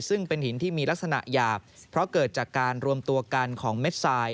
ซึ่งเป็นหินที่มีลักษณะหยาบเพราะเกิดจากการรวมตัวกันของเม็ดทราย